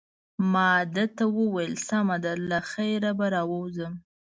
ما ده ته وویل: سمه ده، له خیره به راووځم.